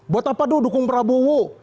buat apa dulu dukung prabowo